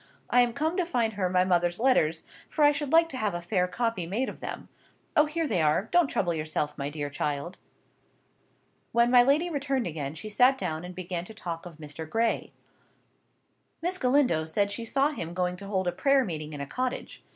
I am come to find her my mother's letters, for I should like to have a fair copy made of them. O, here they are: don't trouble yourself, my dear child." When my lady returned again, she sat down and began to talk of Mr. Gray. "Miss Galindo says she saw him going to hold a prayer meeting in a cottage.